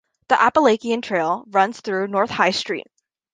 The Appalachian Trail runs along North High Street.